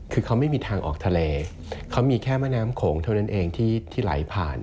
คือเขาไม่มีทางออกทะเลเขามีแค่แม่น้ำโขงเท่านั้นเองที่ไหลผ่าน